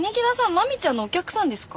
マミちゃんのお客さんですか？